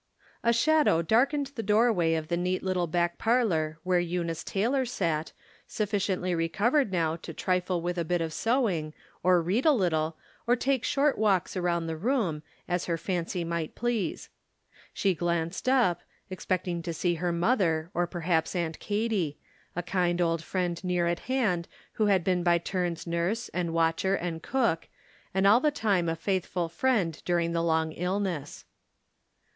A shadow darkened the doorway of the neat little back parlor where Eunice Taylor sat, suf ficiently recovered now to trifle with a bit of sew ing, or read a little, or take short walks around the room, as her fancy might please. She glanced up, expecting to see her mother, or perhaps Aunt Katy — a kind old friend near at hand, who had been by turns nurse, and watcher, and cook, and all the time a faithful friend during the long Ul ness.